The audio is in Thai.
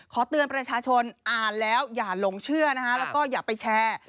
ขอเตือนประชาชนอ่านแล้วอย่าหลงเชื่อนะคะแล้วก็อย่าไปแชร์